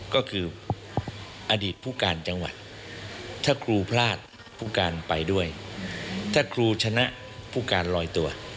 ก็คืออดีตผู้การจังหวัดถ้าครูพลาดผู้การไปด้วยถ้าครูชนะผู้การลอยตัว